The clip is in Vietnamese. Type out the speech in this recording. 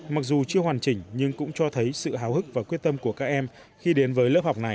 mặc dù chưa hoàn chỉnh nhưng cũng cho thấy sự hào hức và quyết tâm của các em khi đến với lớp học này